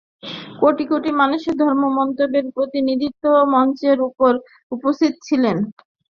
কোটি কোটি মানুষের ধর্মমতের প্রতিনিধিগণ মঞ্চের উপর উপস্থিত ছিলেন।